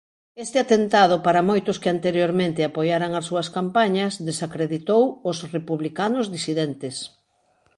Este atentado para moitos que anteriormente apoiaran as súas campañas desacreditou os "republicanos disidentes".